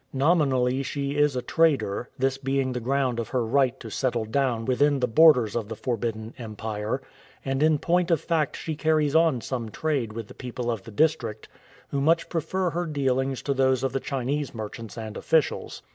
Nominally she is a trader, this being the ground of her right to settle down within the borders of the Forbidden Empire, and in point of fact she carries on some trade with the people of the district, who much prefer her dealings to those of the Chinese merchants and officials.